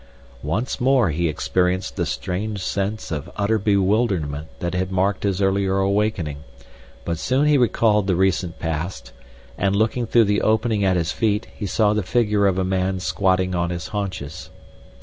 Once more he experienced the strange sense of utter bewilderment that had marked his earlier awakening, but soon he recalled the recent past, and looking through the opening at his feet he saw the figure of a man squatting on his haunches.